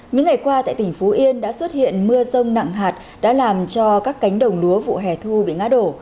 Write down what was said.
những ngày qua tại tỉnh phú yên đã xuất hiện mưa rông nặng hạt đã làm cho các cánh đồng lúa vụ hè thu bị ngã đổ